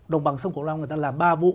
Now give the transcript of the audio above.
đồng bằng sông cổ long người ta làm ba vụ